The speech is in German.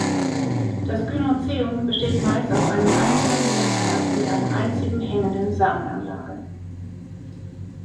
Das Gynoeceum besteht meist aus einem einzelnen Fruchtblatt mit einer einzigen hängenden Samenanlage.